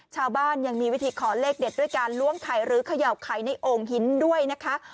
ยังมีวิธีขอเลขเด็ดด้วยการล้วงไข่หรือเขย่าไข่ในโอ่งหินด้วยนะคะ